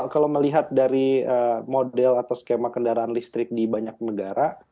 kalau melihat dari model atau skema kendaraan listrik di banyak negara